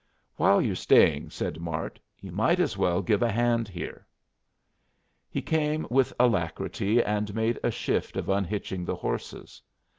"While you're staying," said Mart, "you might as well give a hand here." He came with alacrity, and made a shift of unhitching the horses.